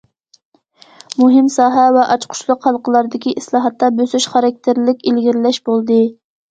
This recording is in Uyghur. مۇھىم ساھە ۋە ئاچقۇچلۇق ھالقىلاردىكى ئىسلاھاتتا بۆسۈش خاراكتېرلىك ئىلگىرىلەش بولدى.